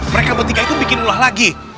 mereka bertiga itu bikin ulah lagi